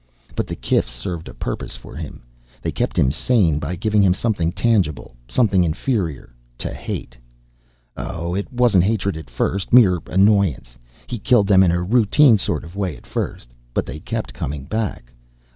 But the kifs served a purpose for him. They kept him sane, by giving him something tangible, something inferior, to hate. Oh, it wasn't hatred, at first. Mere annoyance. He killed them in a routine sort of way at first. But they kept coming back.